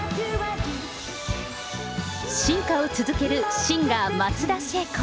進化を続けるシンガー、松田聖子。